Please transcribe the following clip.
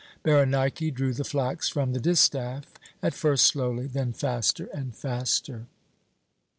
Berenike drew the flax from the distaff, at first slowly, then faster and faster.